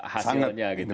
hasilnya gitu ya